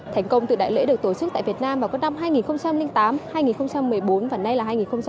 thành công từ đại lễ được tổ chức tại việt nam vào các năm hai nghìn tám hai nghìn một mươi bốn và nay là hai nghìn một mươi tám